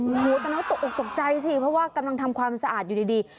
โอ้โหตอนนั้นตกออกตกใจสิเพราะว่ากำลังทำความสะอาดอยู่ดี